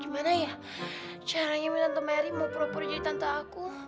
gimana ya caranya menantu mary mau pura pura jadi tante aku